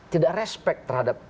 tidak respect terhadap